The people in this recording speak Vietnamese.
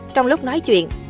trong lúc nói chuyện